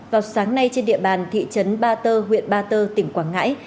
vào sáng nay trên địa bàn thị trấn ba tơ huyện ba tơ tỉnh quảng ngãi